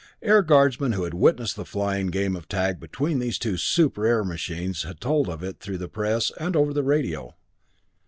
Air Guardsmen who had witnessed the flying game of tag between these two super air machines had told of it through the press and over the radio.